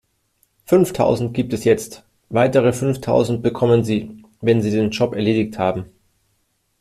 Fünftausend gibt es jetzt, weitere fünftausend bekommen Sie, wenn Sie den Job erledigt haben.